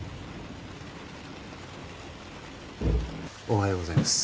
おはようございます